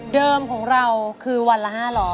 ของเราคือวันละ๕๐๐